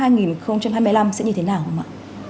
nói chung năm hai nghìn hai mươi năm sẽ như thế nào không ạ